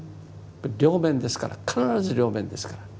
両面ですから必ず両面ですから。